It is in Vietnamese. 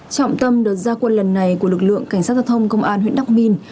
trọng tâm đợt gia quân lần này của lực lượng cảnh sát giao thông công an huyện đắc minh